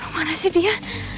mana sih dia